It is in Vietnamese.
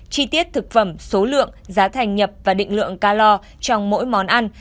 chi tiết thực phẩm số lượng giá thành nhập và định lượng ca lo trong mỗi món ăn